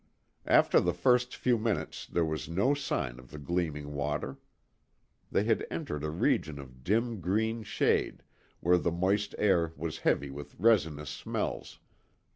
After the first few minutes, there was no sign of the gleaming water. They had entered a region of dim green shade, where the moist air was heavy with resinous smells.